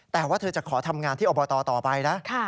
แต่ว่าเธอจะขอทำงานที่อบตต่อไปนะ